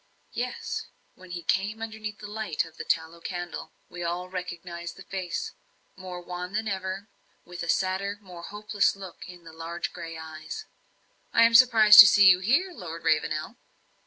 Yes; when he came underneath the light of the one tallow candle, we all recognized the face more wan than ever with a sadder and more hopeless look in the large grey eyes. "I am surprised to see you here, Lord Ravenel."